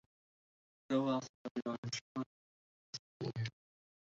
روى فاضل للشرطة كلّ شيء.